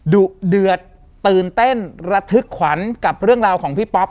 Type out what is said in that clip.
ดุเดือดตื่นเต้นระทึกขวัญกับเรื่องราวของพี่ป๊อป